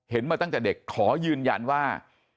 มาตั้งแต่เด็กขอยืนยันว่า